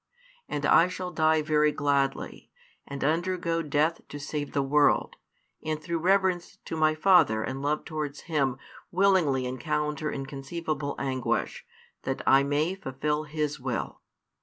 And I shall die very gladly, and undergo death to save |359 the world, and through reverence to My Father and love towards Him willingly encounter inconceivable anguish, that I may fulfil His Will.